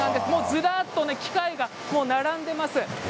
ずらっと機械が並んでいます。